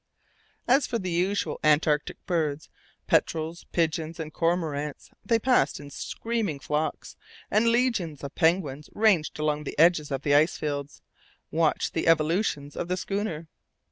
As for the usual Antarctic birds, petrels, pigeons, and cormorants, they passed in screaming flocks, and legions of penguins, ranged along the edges of the ice fields, watched the evolutions of the schooner.